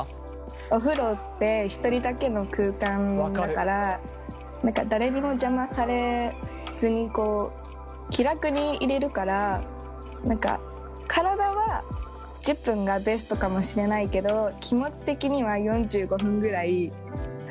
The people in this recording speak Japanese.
お風呂って一人だけの空間だから何か誰にも邪魔されずにこう気楽にいれるから何か体は１０分がベストかもしれないけど気持ち的には４５分ぐらい入ってたいんですけど。